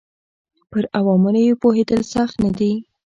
پر عواملو یې پوهېدل سخت نه دي.